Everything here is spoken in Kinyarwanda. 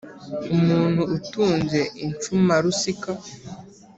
umuntu utunze incumarusika